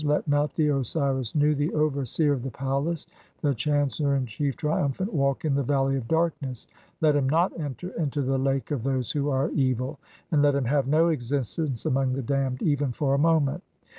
(9) Let not the Osiris Nu, the over "seer of the palace, the chancellor in chief, triumphant, walk in "the valley of darkness, let him not enter into (10) the Lake "of those who are evil, and let him have no existence among "the damned, even for a moment.